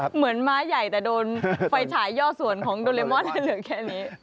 เหมือนม้าใหญ่แต่โดนไฟฉายย่อส่วนของโดเรมอนให้เหลือแค่นี้